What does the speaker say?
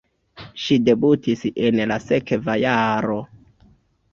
Ŝi debutis en la sekva jaro.